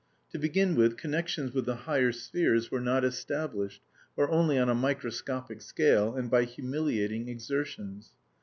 To begin with, connections with the higher spheres were not established, or only on a microscopic scale, and by humiliating exertions.